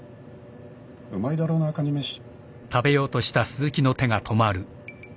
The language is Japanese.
うまいだろうなかに飯。